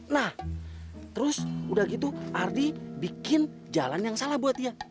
nah terus udah gitu ardi bikin jalan yang salah buat dia